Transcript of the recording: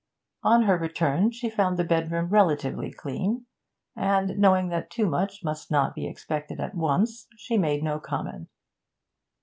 On her return she found the bedroom relatively clean, and, knowing that too much must not be expected at once, she made no comment.